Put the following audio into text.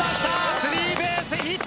スリーベースヒット！